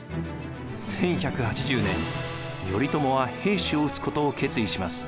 １１８０年頼朝は平氏を討つことを決意します。